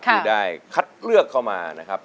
ที่ได้คัดเลือกเข้ามานะครับ